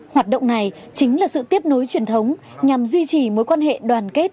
hoạt động này chính là sự tiếp nối truyền thống nhằm duy trì mối quan hệ đoàn kết